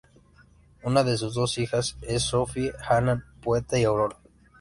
Una de sus dos hijas es Sophie Hannah, poeta y autora.